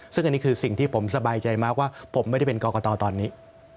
ซึ่งอันนี้คือสิ่งที่ผมสบายใจมากว่าผมไม่ได้เป็นกรกตตอนนี้